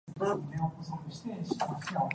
錢財身外物